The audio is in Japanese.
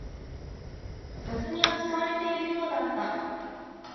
雑に扱われているようだった